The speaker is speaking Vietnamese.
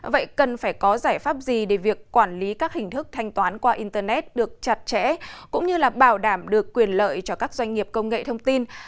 vậy cần phải có giải pháp gì để việc quản lý các hình thức thanh toán qua internet được chặt chẽ cũng như là bảo đảm được quyền lợi cho các doanh nghiệp công nghệ thông tin